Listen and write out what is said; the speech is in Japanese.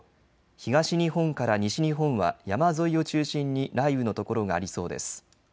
東日本から西日本は山沿いを中心に雷雨の所がありそうです。